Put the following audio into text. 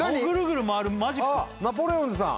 ナポレオンズさん